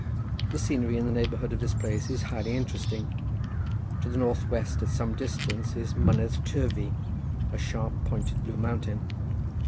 The scenery in the neighbourhood of this place is highly interesting. To the north west at some distance is Mynydd Turvey, a sharp pointed blue mountain.